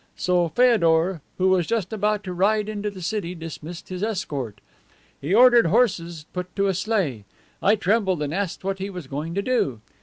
So Feodor, who was just about to ride into the city, dismissed his escort. He ordered horses put to a sleigh. I trembled and asked what he was going to do.